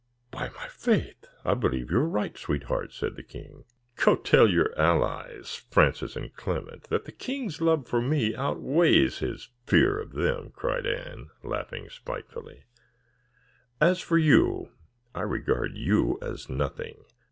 "By my faith, I believe you are right, sweetheart," said the king. "Go, tell your allies, Francis and Clement, that the king's love for me outweighs his fear of them," cried Anne, laughing spitefully. "As for you, I regard you as nothing."